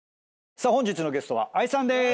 さあ本日のゲストはＡＩさんでーす。